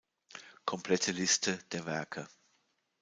Komplette Liste der Werke